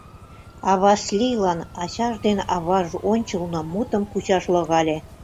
А Васлийлан ачаж ден аваж ончылно мутым кучаш логале.